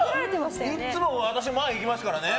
いつも私、前行きますからね。